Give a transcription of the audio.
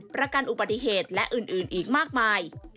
ประกันอุบัติเหตุและอื่นอีกมากมาย